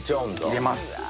入れます。